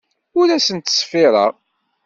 Ur asent-ttṣeffireɣ.